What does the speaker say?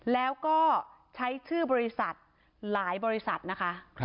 แล้วก็ใช้ชื่อบริษัทหลายบริษัทนะคะ